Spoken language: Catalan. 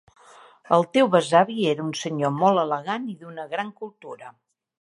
El teu besavi era un senyor molt elegant i d'una gran cultura.